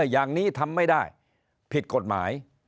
อย่างนี้ทำไม่ได้ผิดกฎหมาย